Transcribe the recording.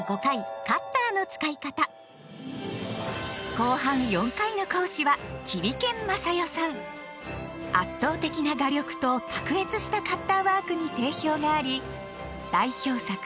後半４回の講師は圧倒的な画力と卓越したカッターワークに定評があり代表作